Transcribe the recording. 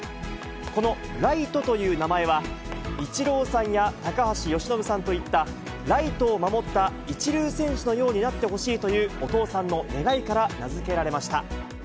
このライトという名前は、イチローさんや高橋由伸さんといったライトを守った一流選手のようになってほしいというお父さんの願いから名付けられました。